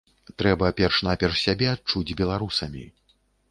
Трэба перш-наперш сябе адчуць беларусамі.